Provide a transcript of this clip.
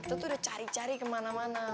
itu tuh udah cari cari kemana mana